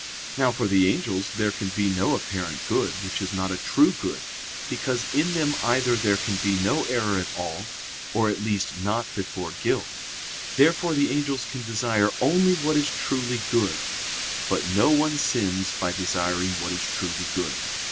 Now for the angels there can be no apparent good which is not a true good; because in them either there can be no error at all, or at least not before guilt. Therefore the angels can desire only what it truly good. But no one sins by desiring what is truly good.